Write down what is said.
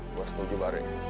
gue setuju bareng